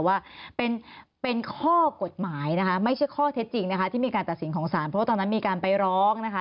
ว่าเป็นข้อกฎหมายนะคะไม่ใช่ข้อเท็จจริงนะคะที่มีการตัดสินของสารเพราะว่าตอนนั้นมีการไปร้องนะคะ